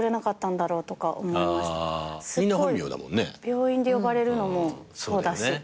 病院で呼ばれるのもそうだし。